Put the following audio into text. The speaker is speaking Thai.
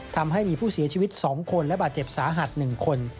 ทำให้มีผู้เสียชีวิต๒คนและบาดเจ็บสาหัส๑คน